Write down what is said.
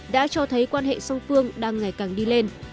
đã cho thấy quan hệ song phương đang ngày càng đi lên